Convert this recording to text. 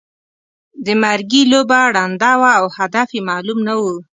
د مرګي لوبه ړنده وه او هدف یې معلوم نه وو.